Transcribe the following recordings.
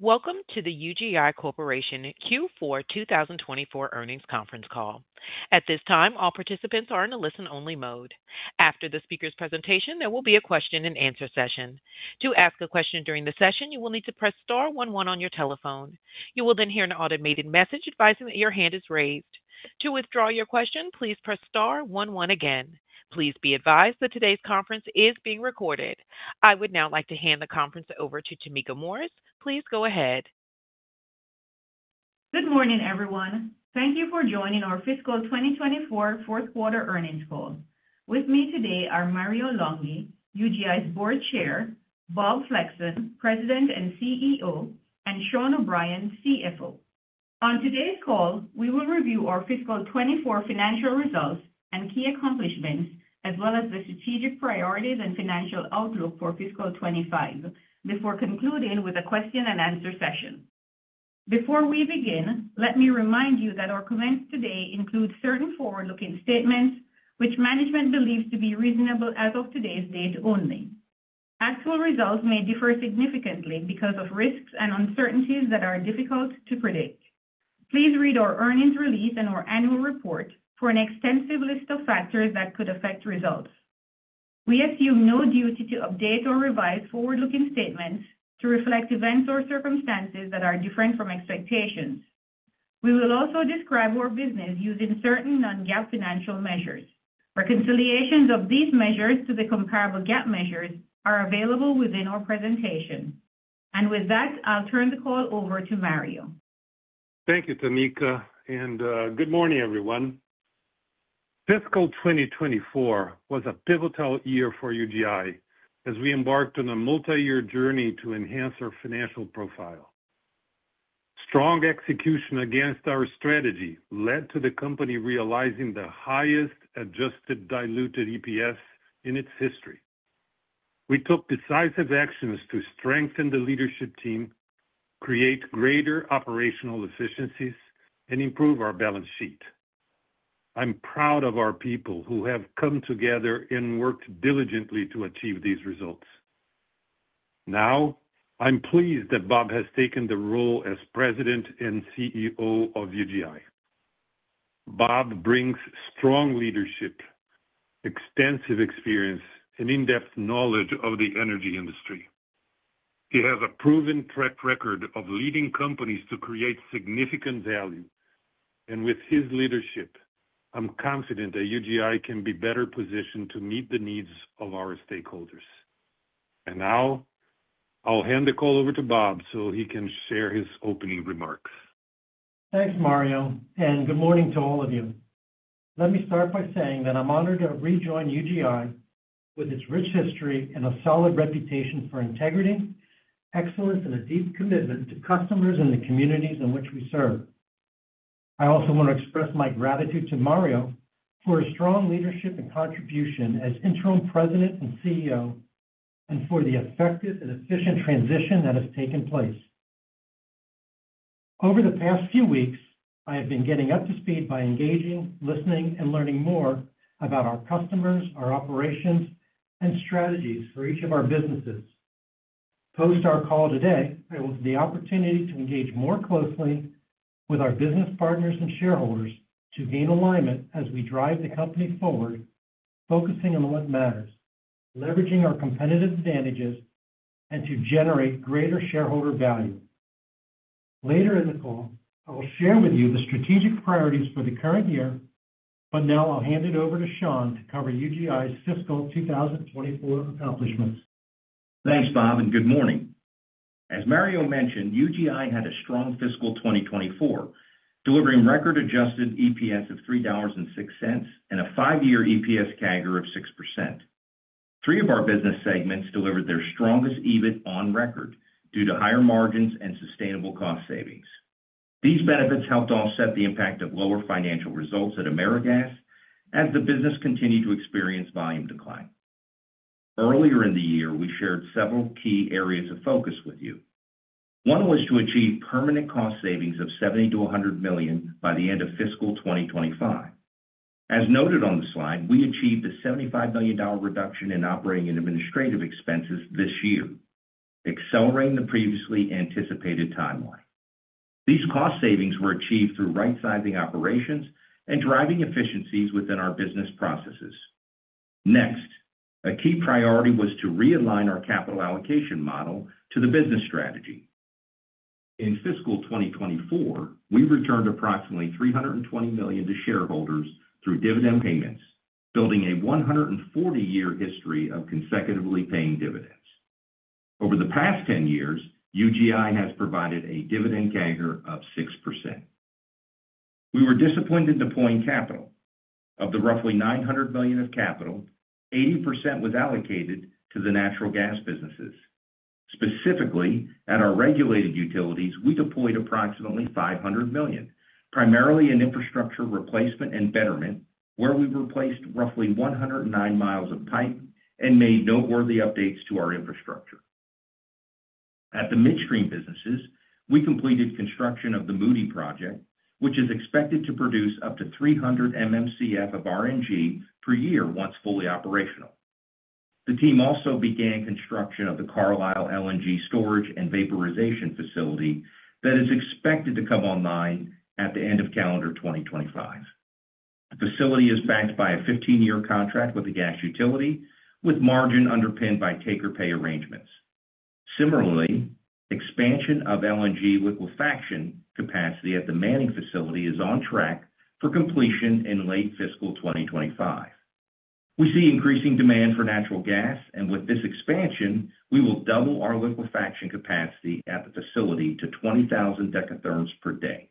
Welcome to the UGI Corporation Q4 2024 earnings conference call. At this time, all participants are in a listen-only mode. After the speaker's presentation, there will be a question-and-answer session. To ask a question during the session, you will need to press star one one on your telephone. You will then hear an automated message advising that your hand is raised. To withdraw your question, please press star one one again. Please be advised that today's conference is being recorded. I would now like to hand the conference over to Tameka Morris. Please go ahead. Good morning, everyone. Thank you for joining our fiscal 2024 fourth-quarter earnings call. With me today are Mario Longhi, UGI's Board Chair, Bob Flexon, President and CEO, and Sean O'Brien, CFO. On today's call, we will review our fiscal 2024 financial results and key accomplishments, as well as the strategic priorities and financial outlook for fiscal 2025, before concluding with a question-and-answer session. Before we begin, let me remind you that our comments today include certain forward-looking statements, which management believes to be reasonable as of today's date only. Actual results may differ significantly because of risks and uncertainties that are difficult to predict. Please read our earnings release and our annual report for an extensive list of factors that could affect results. We assume no duty to update or revise forward-looking statements to reflect events or circumstances that are different from expectations. We will also describe our business using certain non-GAAP financial measures. Reconciliations of these measures to the comparable GAAP measures are available within our presentation. And with that, I'll turn the call over to Mario. Thank you, Tameka. And good morning, everyone. Fiscal 2024 was a pivotal year for UGI as we embarked on a multi-year journey to enhance our financial profile. Strong execution against our strategy led to the company realizing the highest Adjusted Diluted EPS in its history. We took decisive actions to strengthen the leadership team, create greater operational efficiencies, and improve our balance sheet. I'm proud of our people who have come together and worked diligently to achieve these results. Now, I'm pleased that Bob has taken the role as President and CEO of UGI. Bob brings strong leadership, extensive experience, and in-depth knowledge of the energy industry. He has a proven track record of leading companies to create significant value. And with his leadership, I'm confident that UGI can be better positioned to meet the needs of our stakeholders. And now, I'll hand the call over to Bob so he can share his opening remarks. Thanks, Mario. And good morning to all of you. Let me start by saying that I'm honored to rejoin UGI with its rich history and a solid reputation for integrity, excellence, and a deep commitment to customers and the communities in which we serve. I also want to express my gratitude to Mario for his strong leadership and contribution as interim President and CEO and for the effective and efficient transition that has taken place. Over the past few weeks, I have been getting up to speed by engaging, listening, and learning more about our customers, our operations, and strategies for each of our businesses. Post our call today, I will have the opportunity to engage more closely with our business partners and shareholders to gain alignment as we drive the company forward, focusing on what matters, leveraging our competitive advantages, and to generate greater shareholder value. Later in the call, I will share with you the strategic priorities for the current year, but now I'll hand it over to Sean to cover UGI's fiscal 2024 accomplishments. Thanks, Bob, and good morning. As Mario mentioned, UGI had a strong fiscal 2024, delivering record adjusted EPS of $3.06 and a five-year EPS CAGR of 6%. Three of our business segments delivered their strongest EBIT on record due to higher margins and sustainable cost savings. These benefits helped offset the impact of lower financial results at AmeriGas as the business continued to experience volume decline. Earlier in the year, we shared several key areas of focus with you. One was to achieve permanent cost savings of $70-$100 million by the end of fiscal 2025. As noted on the slide, we achieved a $75 million reduction in operating and administrative expenses this year, accelerating the previously anticipated timeline. These cost savings were achieved through right-sizing operations and driving efficiencies within our business processes. Next, a key priority was to realign our capital allocation model to the business strategy. In fiscal 2024, we returned approximately $320 million to shareholders through dividend payments, building a 140-year history of consecutively paying dividends. Over the past 10 years, UGI has provided a dividend CAGR of 6%. We were delighted to deploy capital. Of the roughly $900 million of capital, 80% was allocated to the natural gas businesses. Specifically, at our regulated utilities, we deployed approximately $500 million, primarily in infrastructure replacement and betterment, where we replaced roughly 109 miles of pipe and made noteworthy updates to our infrastructure. At the midstream businesses, we completed construction of the Moody project, which is expected to produce up to 300 MMcf of RNG per year once fully operational. The team also began construction of the Carlisle LNG storage and vaporization facility that is expected to come online at the end of calendar 2025. The facility is backed by a 15-year contract with the gas utility, with margin underpinned by take-or-pay arrangements. Similarly, expansion of LNG liquefaction capacity at the Manning facility is on track for completion in late fiscal 2025. We see increasing demand for natural gas, and with this expansion, we will double our liquefaction capacity at the facility to 20,000 dekatherms per day.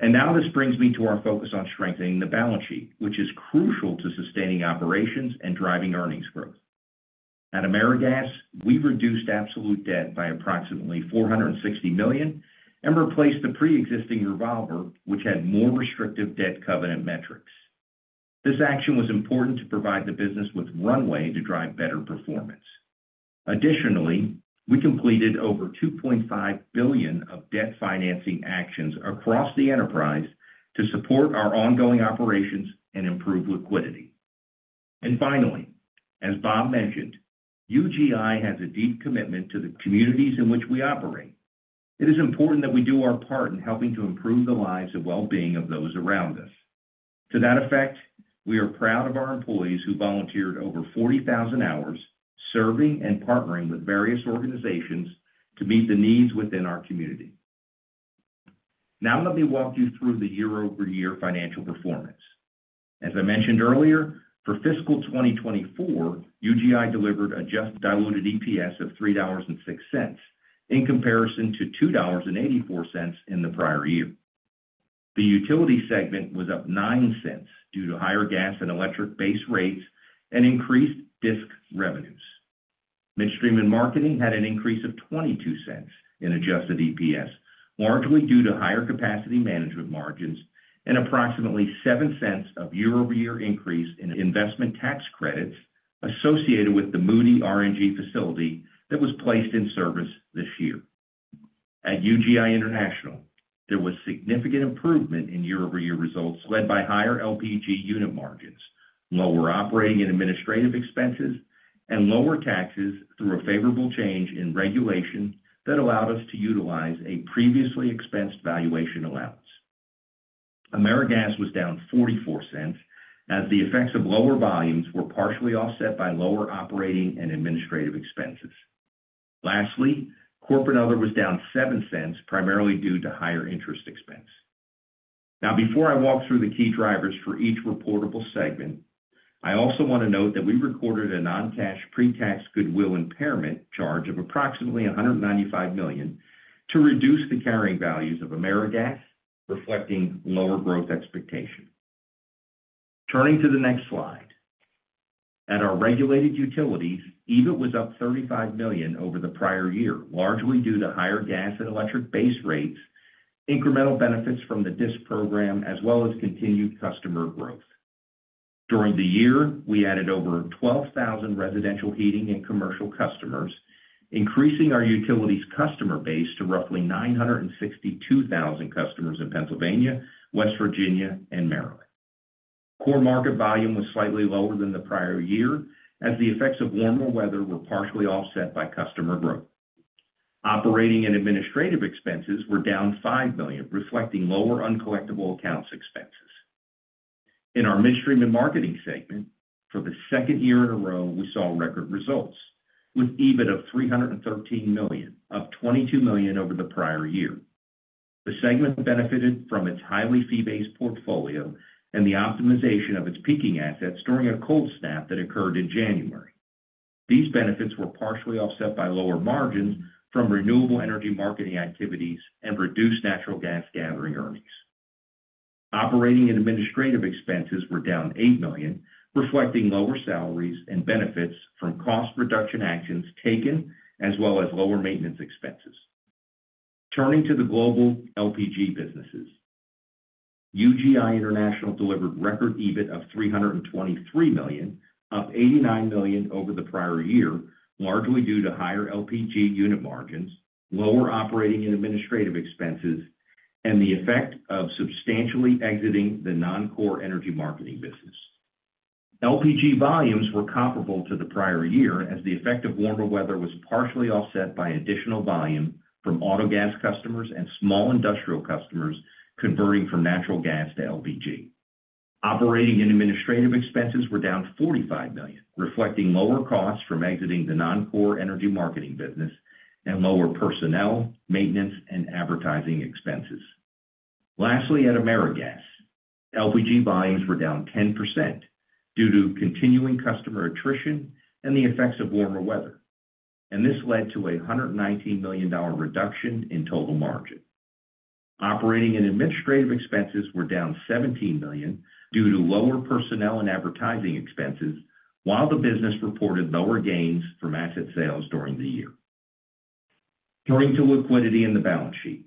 And now this brings me to our focus on strengthening the balance sheet, which is crucial to sustaining operations and driving earnings growth. At AmeriGas, we reduced absolute debt by approximately $460 million and replaced the pre-existing revolver, which had more restrictive debt covenant metrics. This action was important to provide the business with runway to drive better performance. Additionally, we completed over $2.5 billion of debt financing actions across the enterprise to support our ongoing operations and improve liquidity. Finally, as Bob mentioned, UGI has a deep commitment to the communities in which we operate. It is important that we do our part in helping to improve the lives and well-being of those around us. To that effect, we are proud of our employees who volunteered over 40,000 hours serving and partnering with various organizations to meet the needs within our community. Now let me walk you through the year-over-year financial performance. As I mentioned earlier, for fiscal 2024, UGI delivered an adjusted diluted EPS of $3.06 in comparison to $2.84 in the prior year. The utility segment was up $0.09 due to higher gas and electric base rates and increased DISC revenues. Midstream and Marketing had an increase of $0.22 in adjusted EPS, largely due to higher capacity management margins and approximately $0.07 of year-over-year increase in investment tax credits associated with the Moody RNG facility that was placed in service this year. At UGI International, there was significant improvement in year-over-year results led by higher LPG unit margins, lower operating and administrative expenses, and lower taxes through a favorable change in regulation that allowed us to utilize a previously expensed valuation allowance. AmeriGas was down $0.44 as the effects of lower volumes were partially offset by lower operating and administrative expenses. Lastly, Corporate Other was down $0.07, primarily due to higher interest expense. Now, before I walk through the key drivers for each reportable segment, I also want to note that we recorded a non-cash pre-tax goodwill impairment charge of approximately $195 million to reduce the carrying values of AmeriGas, reflecting lower growth expectation. Turning to the next slide, at our regulated utilities, EBIT was up $35 million over the prior year, largely due to higher gas and electric base rates, incremental benefits from the DISC program, as well as continued customer growth. During the year, we added over 12,000 residential heating and commercial customers, increasing our utilities customer base to roughly 962,000 customers in Pennsylvania, West Virginia, and Maryland. Core market volume was slightly lower than the prior year as the effects of warmer weather were partially offset by customer growth. Operating and administrative expenses were down $5 million, reflecting lower uncollectible accounts expenses. In our Midstream and Marketing segment, for the second year in a row, we saw record results with EBIT of $313 million, up $22 million over the prior year. The segment benefited from its highly fee-based portfolio and the optimization of its peaking assets, during a cold snap that occurred in January. These benefits were partially offset by lower margins from renewable energy marketing activities and reduced natural gas gathering earnings. Operating and administrative expenses were down $8 million, reflecting lower salaries and benefits from cost reduction actions taken, as well as lower maintenance expenses. Turning to the global LPG businesses, UGI International delivered record EBIT of $323 million, up $89 million over the prior year, largely due to higher LPG unit margins, lower operating and administrative expenses, and the effect of substantially exiting the non-core energy marketing business. LPG volumes were comparable to the prior year as the effect of warmer weather was partially offset by additional volume from Autogas customers and small industrial customers converting from natural gas to LPG. Operating and administrative expenses were down $45 million, reflecting lower costs from exiting the non-core energy marketing business and lower personnel, maintenance, and advertising expenses. Lastly, at AmeriGas, LPG volumes were down 10% due to continuing customer attrition and the effects of warmer weather. This led to a $119 million reduction in total margin. Operating and administrative expenses were down $17 million due to lower personnel and advertising expenses, while the business reported lower gains from asset sales during the year. Turning to liquidity and the balance sheet,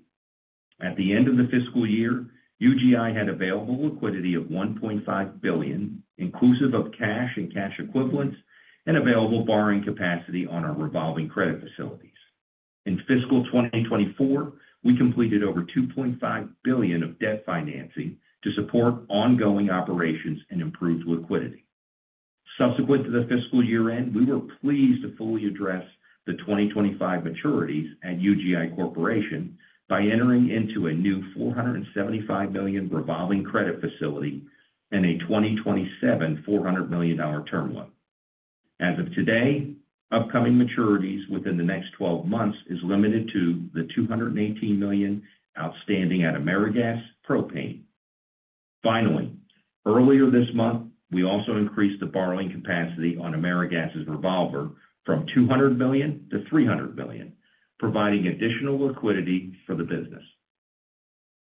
at the end of the fiscal year, UGI had available liquidity of $1.5 billion, inclusive of cash and cash equivalents and available borrowing capacity on our revolving credit facilities. In fiscal 2024, we completed over $2.5 billion of debt financing to support ongoing operations and improved liquidity. Subsequent to the fiscal year-end, we were pleased to fully address the 2025 maturities at UGI Corporation by entering into a new $475 million revolving credit facility and a 2027 $400 million term loan. As of today, upcoming maturities within the next 12 months are limited to the $218 million outstanding at AmeriGas Propane. Finally, earlier this month, we also increased the borrowing capacity on AmeriGas's revolver from $200 million to $300 million, providing additional liquidity for the business.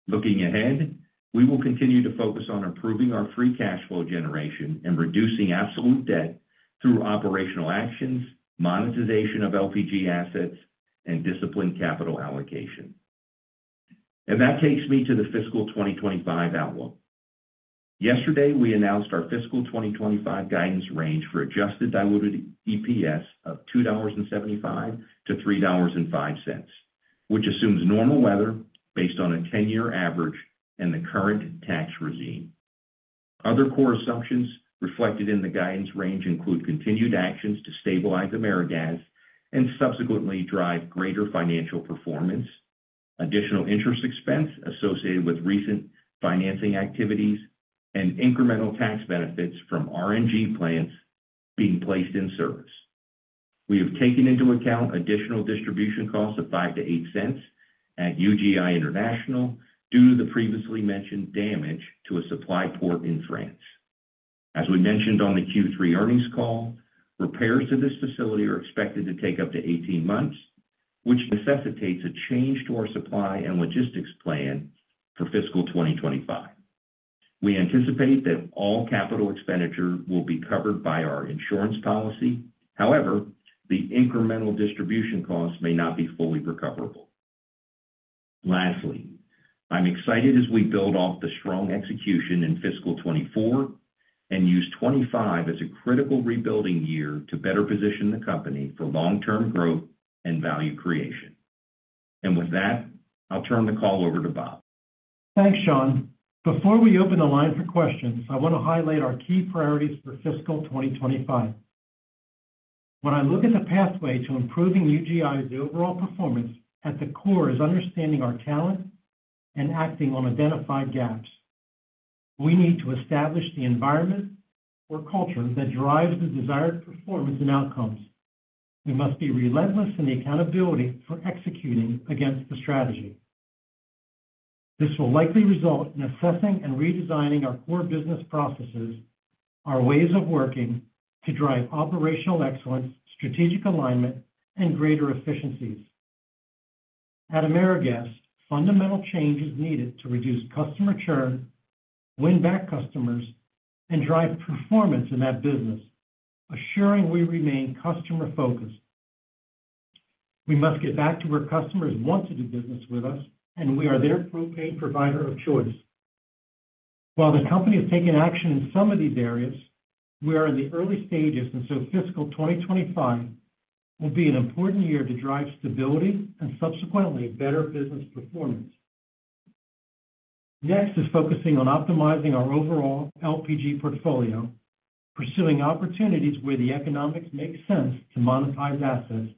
Looking ahead, we will continue to focus on improving our free cash flow generation and reducing absolute debt through operational actions, monetization of LPG assets, and disciplined capital allocation, and that takes me to the fiscal 2025 outlook. Yesterday, we announced our fiscal 2025 guidance range for Adjusted Diluted EPS of $2.75-$3.05, which assumes normal weather based on a 10-year average and the current tax regime. Other core assumptions reflected in the guidance range include continued actions to stabilize AmeriGas and subsequently drive greater financial performance, additional interest expense associated with recent financing activities, and incremental tax benefits from RNG plants being placed in service. We have taken into account additional distribution costs of $0.05-$0.08 at UGI International due to the previously mentioned damage to a supply port in France. As we mentioned on the Q3 earnings call, repairs to this facility are expected to take up to 18 months, which necessitates a change to our supply and logistics plan for fiscal 2025. We anticipate that all capital expenditure will be covered by our insurance policy. However, the incremental distribution costs may not be fully recoverable. Lastly, I'm excited as we build off the strong execution in fiscal 2024 and use 2025 as a critical rebuilding year to better position the company for long-term growth and value creation, and with that, I'll turn the call over to Bob. Thanks, Sean. Before we open the line for questions, I want to highlight our key priorities for fiscal 2025. When I look at the pathway to improving UGI's overall performance, at the core is understanding our talent and acting on identified gaps. We need to establish the environment or culture that drives the desired performance and outcomes. We must be relentless in the accountability for executing against the strategy. This will likely result in assessing and redesigning our core business processes, our ways of working to drive operational excellence, strategic alignment, and greater efficiencies. At AmeriGas, fundamental change is needed to reduce customer churn, win back customers, and drive performance in that business, assuring we remain customer-focused. We must get back to where customers want to do business with us, and we are their propane provider of choice. While the company has taken action in some of these areas, we are in the early stages, and so fiscal 2025 will be an important year to drive stability and subsequently better business performance. Next is focusing on optimizing our overall LPG portfolio, pursuing opportunities where the economics make sense to monetize assets,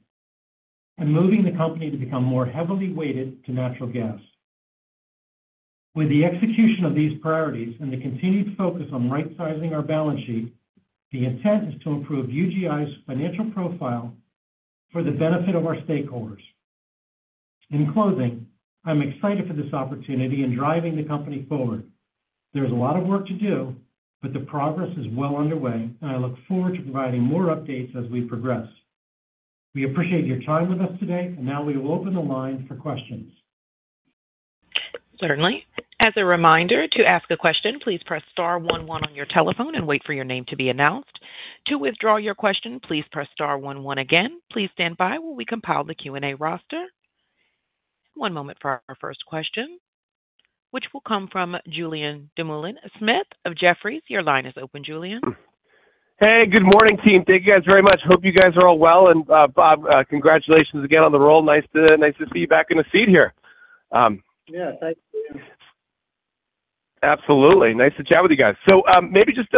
and moving the company to become more heavily weighted to natural gas. With the execution of these priorities and the continued focus on right-sizing our balance sheet, the intent is to improve UGI's financial profile for the benefit of our stakeholders. In closing, I'm excited for this opportunity and driving the company forward. There's a lot of work to do, but the progress is well underway, and I look forward to providing more updates as we progress. We appreciate your time with us today, and now we will open the line for questions. Certainly. As a reminder, to ask a question, please press star one one on your telephone and wait for your name to be announced. To withdraw your question, please press star one one again. Please stand by while we compile the Q&A roster. One moment for our first question, which will come from Julien Dumoulin-Smith of Jefferies. Your line is open, Julian. Hey, good morning, team. Thank you guys very much. Hope you guys are all well, and Bob, congratulations again on the role. Nice to see you back in the seat here. Yeah, thank you. Absolutely. Nice to chat with you guys. So maybe just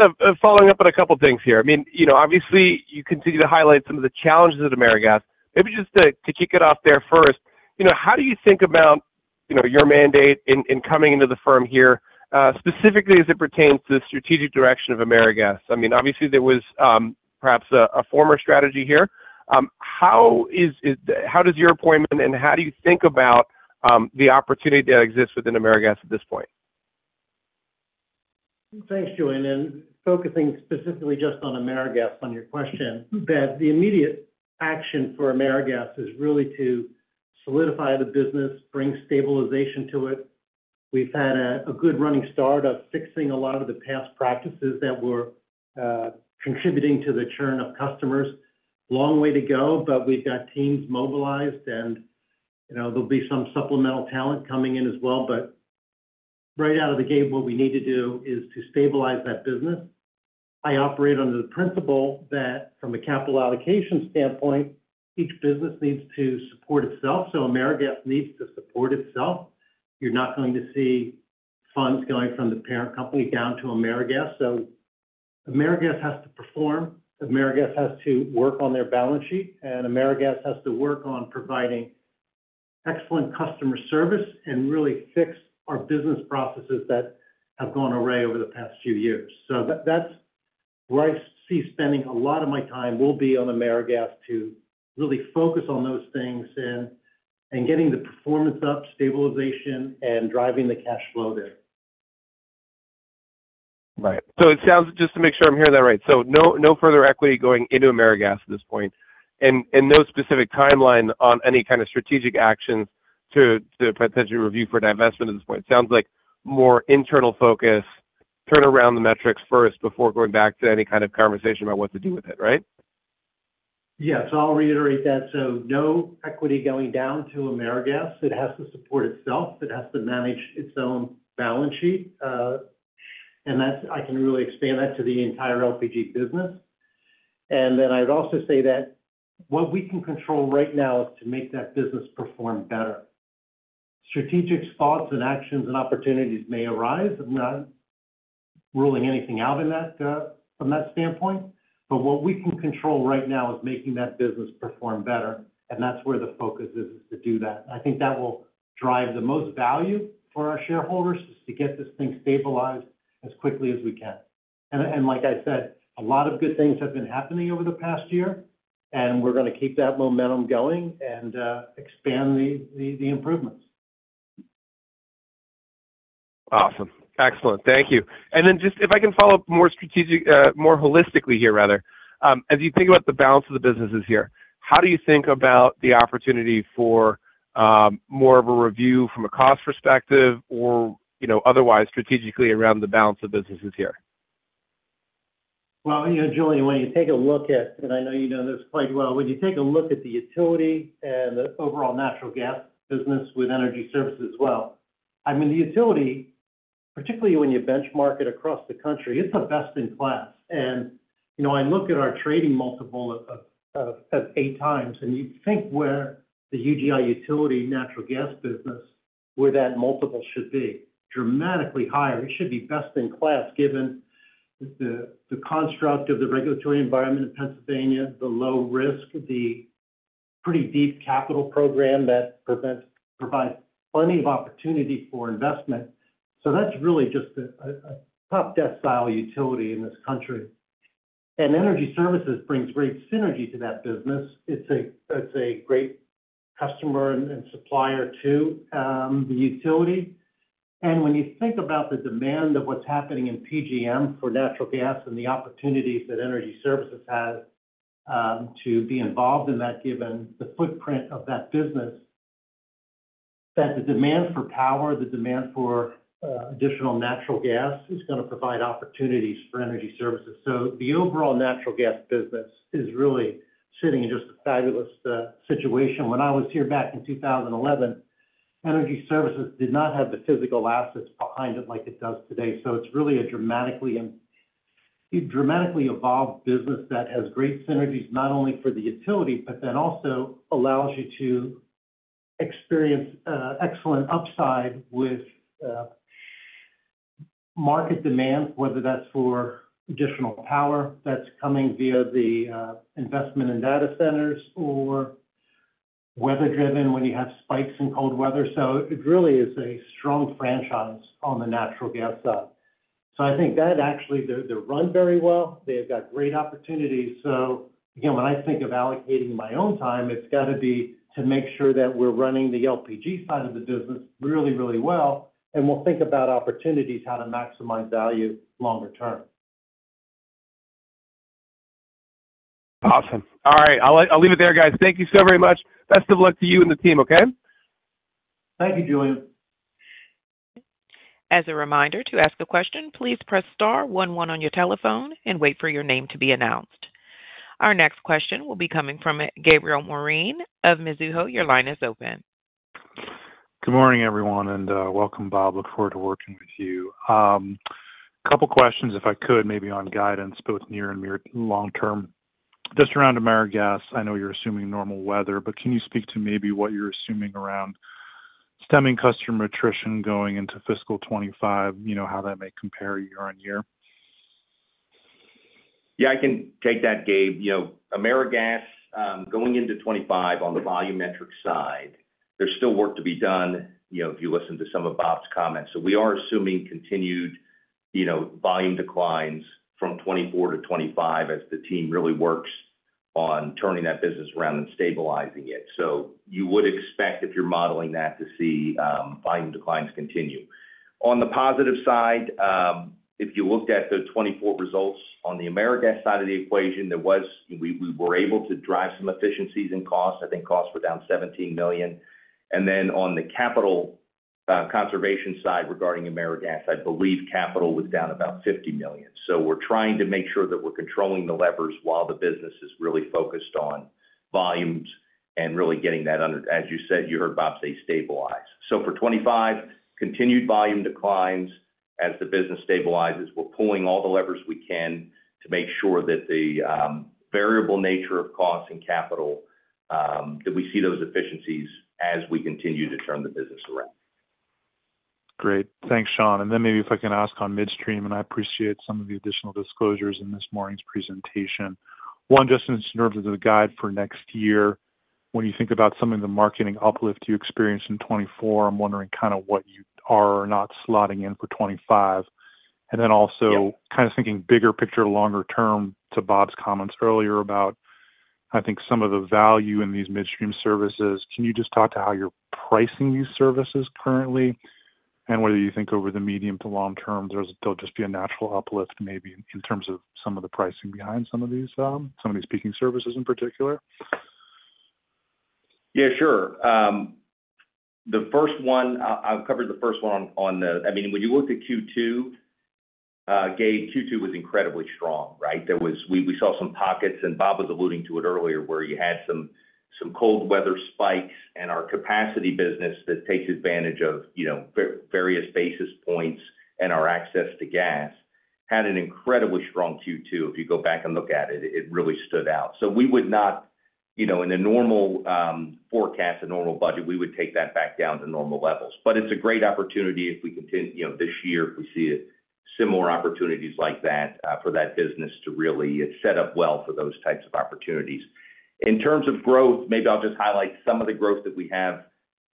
following up on a couple of things here. I mean, obviously, you continue to highlight some of the challenges at AmeriGas. Maybe just to kick it off there first, how do you think about your mandate in coming into the firm here, specifically as it pertains to the strategic direction of AmeriGas? I mean, obviously, there was perhaps a former strategy here. How does your appointment and how do you think about the opportunity that exists within AmeriGas at this point? Thanks, Julian. And focusing specifically just on AmeriGas, on your question, that the immediate action for AmeriGas is really to solidify the business, bring stabilization to it. We've had a good running start of fixing a lot of the past practices that were contributing to the churn of customers. Long way to go, but we've got teams mobilized, and there'll be some supplemental talent coming in as well. But right out of the gate, what we need to do is to stabilize that business. I operate under the principle that from a capital allocation standpoint, each business needs to support itself. So AmeriGas needs to support itself. You're not going to see funds going from the parent company down to AmeriGas. So AmeriGas has to perform. AmeriGas has to work on their balance sheet, and AmeriGas has to work on providing excellent customer service and really fix our business processes that have gone awry over the past few years, so that's where I see spending a lot of my time will be on AmeriGas to really focus on those things and getting the performance up, stabilization, and driving the cash flow there. Right. So it sounds, just to make sure I'm hearing that right, so no further equity going into AmeriGas at this point and no specific timeline on any kind of strategic actions to potentially review for divestment at this point. It sounds like more internal focus, turn around the metrics first before going back to any kind of conversation about what to do with it, right? Yes. I'll reiterate that. So no equity going down to AmeriGas. It has to support itself. It has to manage its own balance sheet. And I can really expand that to the entire LPG business. And then I would also say that what we can control right now is to make that business perform better. Strategic thoughts and actions and opportunities may arise. I'm not ruling anything out on that standpoint. But what we can control right now is making that business perform better. And that's where the focus is, is to do that. I think that will drive the most value for our shareholders is to get this thing stabilized as quickly as we can. And like I said, a lot of good things have been happening over the past year, and we're going to keep that momentum going and expand the improvements. Awesome. Excellent. Thank you. And then just if I can follow up more holistically here, rather, as you think about the balance of the businesses here, how do you think about the opportunity for more of a review from a cost perspective or otherwise strategically around the balance of businesses here? Julian, when you take a look at, and I know you know this quite well, when you take a look at the utility and the overall natural gas business with energy services as well, I mean, the utility, particularly when you benchmark it across the country, it's a best-in-class. I look at our trading multiple of eight times, and you'd think where the UGI utility natural gas business, where that multiple should be dramatically higher. It should be best-in-class given the construct of the regulatory environment in Pennsylvania, the low risk, the pretty deep capital program that provides plenty of opportunity for investment. That's really just a top-deck-style utility in this country. Energy services brings great synergy to that business. It's a great customer and supplier to the utility. And when you think about the demand of what's happening in PJM for natural gas and the opportunities that energy services have to be involved in that, given the footprint of that business, that the demand for power, the demand for additional natural gas is going to provide opportunities for energy services. So the overall natural gas business is really sitting in just a fabulous situation. When I was here back in 2011, energy services did not have the physical assets behind it like it does today. So it's really a dramatically evolved business that has great synergies, not only for the utility, but then also allows you to experience excellent upside with market demand, whether that's for additional power that's coming via the investment in data centers or weather-driven when you have spikes in cold weather. So it really is a strong franchise on the natural gas side. So I think that actually they're run very well. They've got great opportunities. So again, when I think of allocating my own time, it's got to be to make sure that we're running the LPG side of the business really, really well. And we'll think about opportunities, how to maximize value longer term. Awesome. All right. I'll leave it there, guys. Thank you so very much. Best of luck to you and the team, okay? Thank you, Julian. As a reminder to ask a question, please press star 11 on your telephone and wait for your name to be announced. Our next question will be coming from Gabriel Moreen of Mizuho. Your line is open. Good morning, everyone, and welcome, Bob. Look forward to working with you. A couple of questions, if I could, maybe on guidance, both near and long term. Just around AmeriGas, I know you're assuming normal weather, but can you speak to maybe what you're assuming around stemming customer attrition going into fiscal 2025, how that may compare year on year? Yeah, I can take that, Gabe. AmeriGas, going into 2025 on the volumetric side, there's still work to be done if you listen to some of Bob's comments. So we are assuming continued volume declines from 2024 to 2025 as the team really works on turning that business around and stabilizing it. So you would expect, if you're modeling that, to see volume declines continue. On the positive side, if you looked at the 2024 results on the AmeriGas side of the equation, we were able to drive some efficiencies in costs. I think costs were down $17 million. And then on the capital conservation side regarding AmeriGas, I believe capital was down about $50 million. So we're trying to make sure that we're controlling the levers while the business is really focused on volumes and really getting that under, as you said, you heard Bob say, stabilize. For 2025, continued volume declines as the business stabilizes. We're pulling all the levers we can to make sure that the variable nature of costs and capital, that we see those efficiencies as we continue to turn the business around. Great. Thanks, Sean. And then maybe if I can ask on Midstream, and I appreciate some of the additional disclosures in this morning's presentation. One, just in terms of the guidance for next year, when you think about some of the marketing uplift you experienced in 2024, I'm wondering kind of what you are or not slotting in for 2025. And then also kind of thinking bigger picture, longer term, to Bob's comments earlier about, I think, some of the value in these Midstream services. Can you just talk to how you're pricing these services currently and whether you think over the medium to long term, there'll just be a natural uplift maybe in terms of some of the pricing behind some of these storage services in particular? Yeah, sure. The first one, I've covered the first one on the, I mean, when you looked at Q2, Gabe, Q2 was incredibly strong, right? We saw some pockets, and Bob was alluding to it earlier, where you had some cold weather spikes, and our capacity business that takes advantage of various basis points and our access to gas had an incredibly strong Q2. If you go back and look at it, it really stood out. So we would not, in a normal forecast, a normal budget, we would take that back down to normal levels. But it's a great opportunity if we continue this year, if we see similar opportunities like that for that business to really set up well for those types of opportunities. In terms of growth, maybe I'll just highlight some of the growth that we have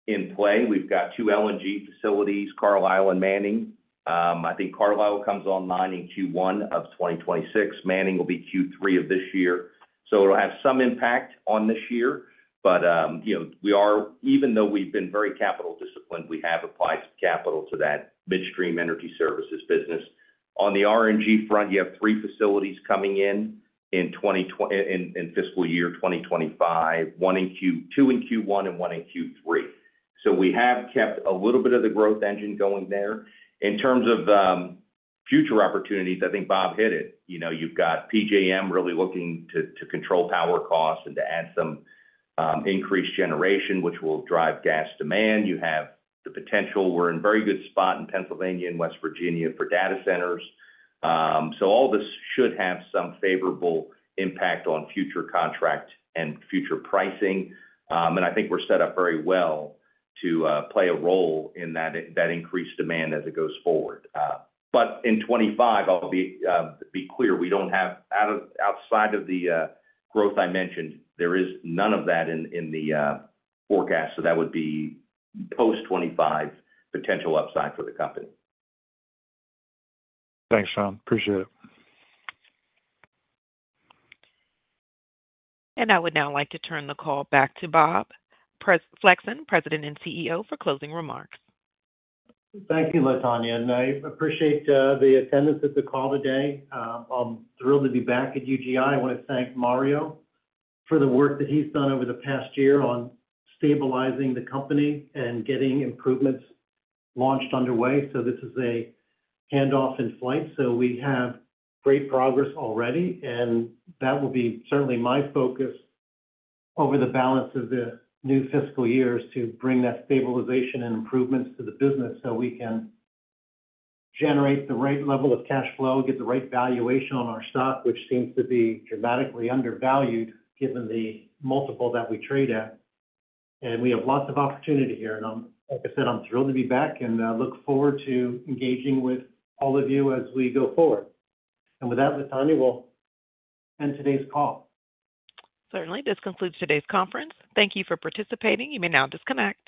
in play. We've got two LNG facilities, Carlisle and Manning. I think Carlisle comes online in Q1 of 2026. Manning will be Q3 of this year. So it'll have some impact on this year. But even though we've been very capital disciplined, we have applied capital to that midstream energy services business. On the RNG front, you have three facilities coming in in fiscal year 2025, two in Q1 and one in Q3. So we have kept a little bit of the growth engine going there. In terms of future opportunities, I think Bob hit it. You've got PJM really looking to control power costs and to add some increased generation, which will drive gas demand. You have the potential. We're in a very good spot in Pennsylvania and West Virginia for data centers. So all this should have some favorable impact on future contract and future pricing. And I think we're set up very well to play a role in that increased demand as it goes forward. But in 2025, I'll be clear, we don't have outside of the growth I mentioned, there is none of that in the forecast. So that would be post-2025 potential upside for the company. Thanks, Sean. Appreciate it. I would now like to turn the call back to Bob Flexon, President and CEO, for closing remarks. Thank you, LaTonya. And I appreciate the attendance at the call today. I'm thrilled to be back at UGI. I want to thank Mario for the work that he's done over the past year on stabilizing the company and getting improvements launched underway. So this is a handoff in flight. So we have great progress already. And that will be certainly my focus over the balance of the new fiscal years to bring that stabilization and improvements to the business so we can generate the right level of cash flow, get the right valuation on our stock, which seems to be dramatically undervalued given the multiple that we trade at. And we have lots of opportunity here. And like I said, I'm thrilled to be back and look forward to engaging with all of you as we go forward. And with that, LaTonya, we'll end today's call. Certainly. This concludes today's conference. Thank you for participating. You may now disconnect.